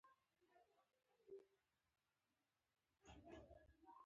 ته لیکوال وې تا کتابونه لیکل.